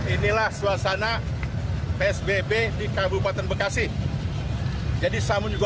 inilah suasana psbb di kabupaten bekasi